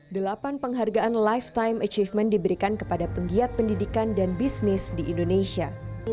delapan penghargaan lifetime achievement diberikan kepada penggiat pendidikan dan bisnis di indonesia